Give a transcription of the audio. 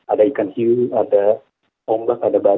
ada ikan hiu ada ombak ada batu